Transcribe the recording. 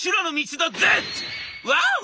「ワオ！